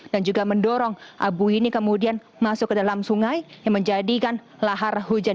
dan juga mendorong abu ini kemudian masuk ke dalam sungai yang menjadikan lahar hujan